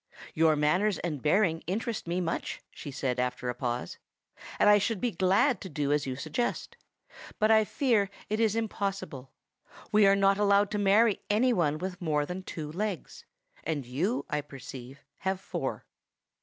"Your manners and bearing interest me much," she said after a pause; "and I should be glad to do as you suggest, but I fear it is impossible. We are not allowed to marry any one with more than two legs; and you, I perceive, have four."